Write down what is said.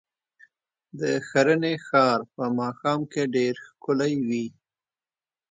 د ښرنې ښار په ماښام کې ډېر ښکلی وي.